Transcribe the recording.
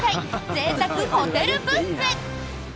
ぜいたくホテルブッフェ。